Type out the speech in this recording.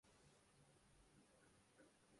درجِ بالا آیات کے مطالعے سے واضح ہو جاتا ہے